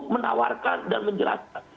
menawarkan dan menjelaskan